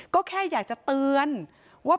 ก็แค่อยากจะเตือนว่า